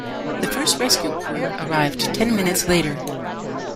The first rescue crew arrived ten minutes later.